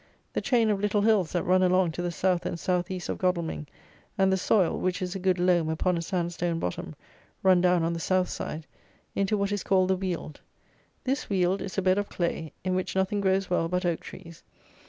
The chain of little hills that run along to the South and South East of Godalming, and the soil, which is a good loam upon a sand stone bottom, run down on the South side, into what is called the Weald. This Weald is a bed of clay, in which nothing grows well but oak trees.